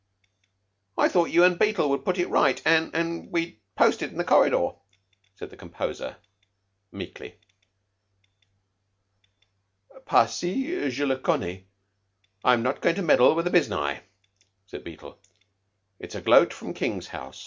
"I thought you an' Beetle would put it right, an' an' we'd post it in the corridor," said the composer meekly. "Par si je le connai. I'm not goin' to meddle with the biznai," said Beetle. "It's a gloat for King's house.